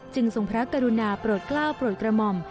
ทรงพระกรุณาโปรดกล้าวโปรดกระหม่อม